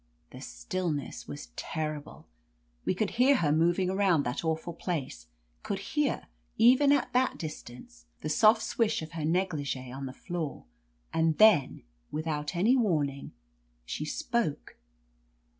The stillness was terrible. We could hear her moving around that awful place, could hear, even at that distance, the soft swish of her negligee on the floor. And then, without any warning, she spoke.